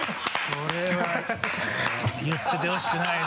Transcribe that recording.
これは言っててほしくないね